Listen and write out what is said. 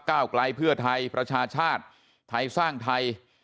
ก้าวไกลเพื่อไทยประชาชาติไทยสร้างไทย